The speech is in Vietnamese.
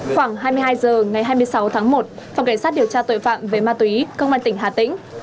khoảng hai mươi hai h ngày hai mươi sáu tháng một phòng cảnh sát điều tra tội phạm về ma túy công an tỉnh hà tĩnh